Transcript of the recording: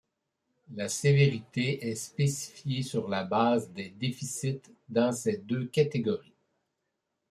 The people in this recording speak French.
La sévérité est spécifiée sur la base des déficits dans ces deux catégories.